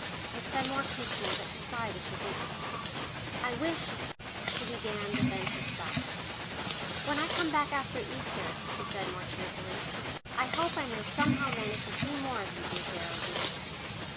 Miss Fenmore kissed me, but she sighed as she did so. "I wish " she began, but then she stopped. "When I come back after Easter," she said more cheerfully, "I hope I may somehow manage to see more of you, dear Geraldine."